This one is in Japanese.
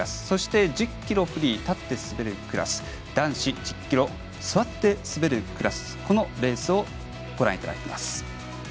そして１０ｋｍフリー立って滑るクラス男子１０ｋｍ座って滑るクラスこのレースをご覧いただきます。